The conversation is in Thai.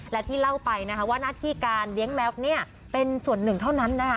และที่เล่าไปนะคะว่าหน้าที่การเลี้ยงแม็กซ์เนี่ยเป็นส่วนหนึ่งเท่านั้นนะคะ